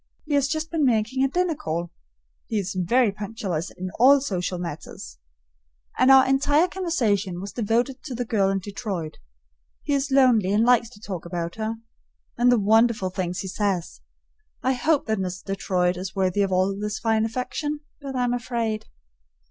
He has just been making a dinner call (he is very punctilious in all social matters), and our entire conversation was devoted to the girl in Detroit. He is lonely and likes to talk about her; and the wonderful things he says! I hope that Miss Detroit is worthy of all this fine affection, but I'm afraid.